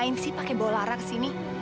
kenapa pakai bola lara ke sini